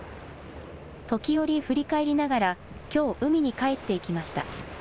時折、振り返りながらきょう海に帰っていきました。